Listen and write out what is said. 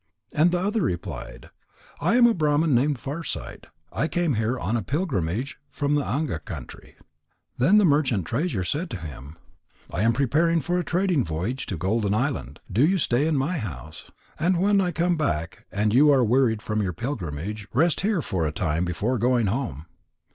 And the other replied: "I am a Brahman named Farsight. I came here on a pilgrimage from the Anga country." Then the merchant Treasure said to him: "I am preparing for a trading voyage to Golden Island. Do you stay in my house. And when I come back, and you are wearied from your pilgrimage, rest here for a time before going home."